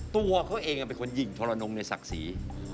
ตัวเขาเองเป็นคนหญิงทรนงในศักดิ์ศรี